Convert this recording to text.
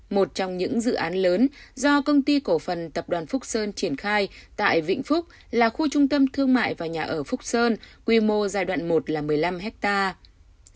một trong những dự án lớn do công ty cổ phần tập đoàn phúc sơn triển khai tại vĩnh phúc là khu trung tâm thương mại và nhà ở phúc sơn quy mô giai đoạn một là một mươi năm hectare